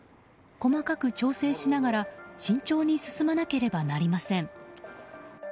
細かく調整しながら慎重に進まなければなりません。